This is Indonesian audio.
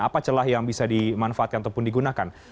apa celah yang bisa dimanfaatkan ataupun digunakan